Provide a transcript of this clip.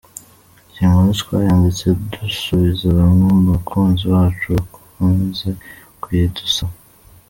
Iyi nkuru twayanditse dusubiza bamwe mu bakunzi bacu bakunze kuyidusab.